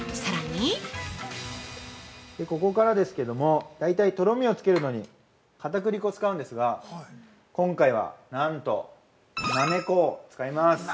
◆ここからですけども、大体とろみをつけるのに、かたくり粉使うんですが、今回は、なんと、なめこを使います。